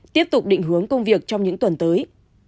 tiếp tục định hướng công việc trong những tuần tới